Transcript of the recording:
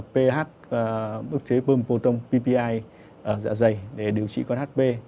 ph ức chế bơm potom ppi dạ dày để điều trị con hp